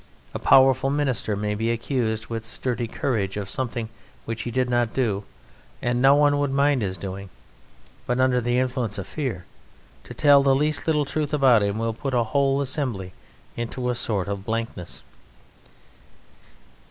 A powerful minister may be accused with sturdy courage of something which he did not do and no one would mind his doing, but under the influence of Fear, to tell the least little truth about him will put a whole assembly into a sort of blankness.